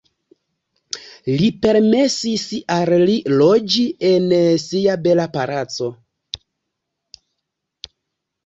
Li permesis al li loĝi en sia bela palaco.